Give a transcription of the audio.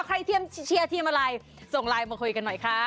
เทียมเชียร์เทียมอะไรส่งไลน์มาคุยกันหน่อยค่ะ